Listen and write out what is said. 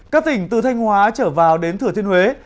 các tỉnh từ thanh hóa trở vào đến thừa thiên huế